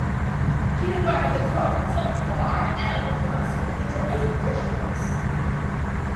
He divided the province of Bahr el Ghazal into eight districts.